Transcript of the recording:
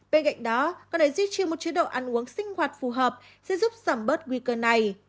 bên cạnh đó con để duy trì một chế độ ăn uống sinh hoạt phù hợp sẽ giúp giảm bớt nguy cơ này